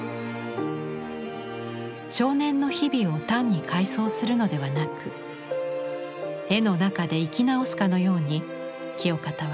少年の日々を単に回想するのではなく絵の中で生き直すかのように清方は生き生きと筆を走らせています。